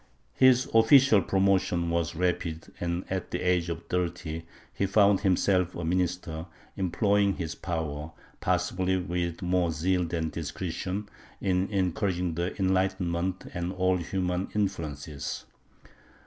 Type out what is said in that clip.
His official promotion was rapid and, at the age of thirty, he found himself a minister, employing his power, possibly with more zeal than discretion, in encouraging enlightenment and all humanizing influences.